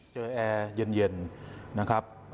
แอร์เย็นนะครับ